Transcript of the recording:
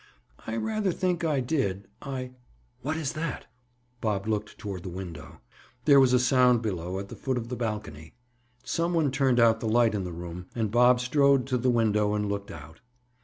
"I rather think I did. I—what is that?" Bob looked toward the window. There was a sound below at the foot of the balcony. Some one turned out the light in the room and Bob strode to the window and looked out.